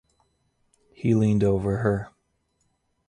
He leaned over her.